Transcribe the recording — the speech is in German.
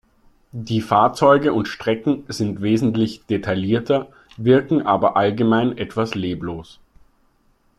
Die Fahrzeuge und Strecken sind wesentlich detaillierter, wirken aber allgemein etwas leblos.